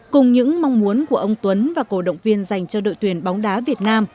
cùng những mong muốn của ông tuấn và cổ động viên dành cho đội tuyển bóng đá việt nam